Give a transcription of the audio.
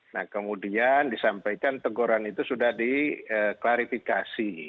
nah kemudian disampaikan teguran itu sudah diklarifikasi